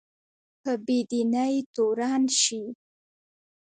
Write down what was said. په بې دینۍ تورن شي